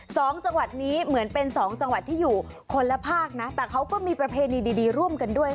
สองจังหวัดนี้เหมือนเป็นสองจังหวัดที่อยู่คนละภาคนะแต่เขาก็มีประเพณีดีดีร่วมกันด้วยค่ะ